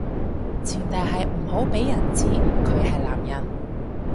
前提係唔好畀人知佢係男人